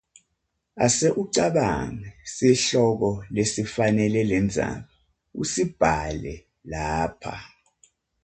Ase ucabange sihloko lesifanele lendzaba usibhale lapha.